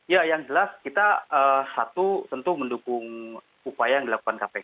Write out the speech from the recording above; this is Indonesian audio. ya yang jelas kita satu tentu mendukung upaya yang dilakukan kpk